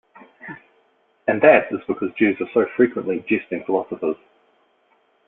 And that is because Jews are so frequently jesting philosophers.